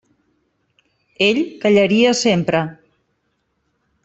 Ell callaria sempre.